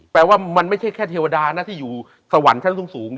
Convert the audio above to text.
แปลว่ามันไม่ใช่แค่เทวดานะที่อยู่สวรรค์ชั้นสูง